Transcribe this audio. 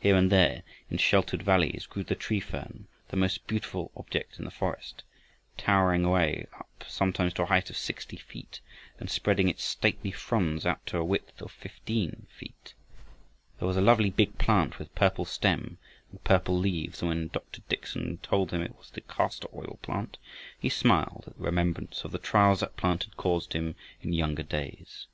Here and there, in sheltered valleys, grew the tree fern, the most beautiful object in the forest, towering away up sometimes to a height of sixty feet, and spreading its stately fronds out to a width of fifteen feet. There was a lovely big plant with purple stem and purple leaves, and when Dr. Dickson told him it was the castor oil plant, he smiled at the remembrance of the trials that plant had caused him in younger days.